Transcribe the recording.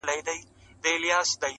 کومه ورځ به پر دې قوم باندي رڼا سي؛